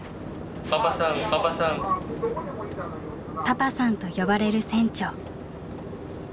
「パパさん」と呼ばれる船長。